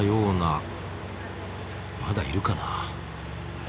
まだいるかな？